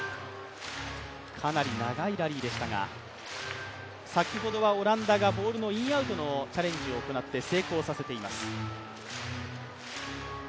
かなり長いラリーでしたが、先ほどはオランダがボールのインアウトのチャレンジを行って成功させています。